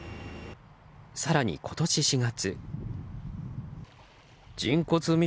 更に今年４月。